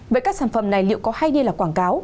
với các sản phẩm này liệu có hay như là quảng cáo